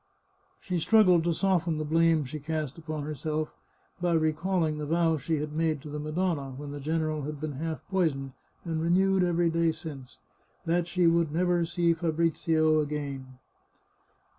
She struggled to soften the blame she cast upon herself by recalling the vow she had made to the Madonna, when the general had been half poisoned, and renewed every day since — that she would never see Fahrisio again.